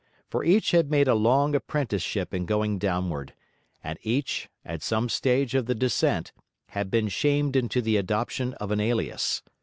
For each had made a long apprenticeship in going downward; and each, at some stage of the descent, had been shamed into the adoption of an alias.